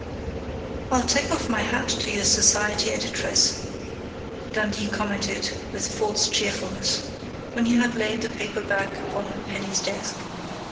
"I take off my hat to your 'society editress'," Dundee commented with false cheerfulness, when he had laid the paper back upon Penny's desk.